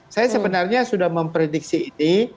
saya sebenarnya sudah memprediksi ini